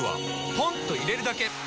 ポンと入れるだけ！